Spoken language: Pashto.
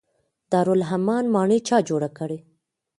دارالامان ماڼۍ چا جوړه کړه؟